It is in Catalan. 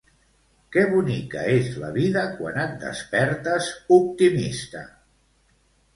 Que bonica és la vida quan et despertes optimista!